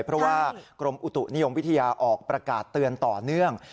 เพราะว่ากรมอุตุนิยมวิทยาออกประกาศเตือนต่อเนื่อง